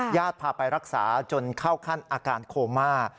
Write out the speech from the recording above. พาไปรักษาจนเข้าขั้นอาการโคม่า